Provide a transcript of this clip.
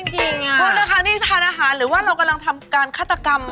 โทษนะคะนี่ทานอาหารหรือว่าเรากำลังทำการฆาตกรรม